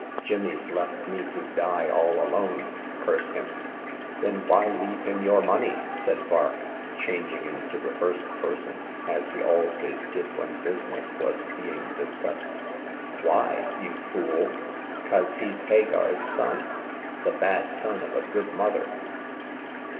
Jimmy's left me to die all alone, curse him !"" Then why leave him your money ?" said Vark, changing into the first person, as he always did when business was being discussed. " Why, you tool ?— 'cause he's Hagar's son — the bad son of a good mother."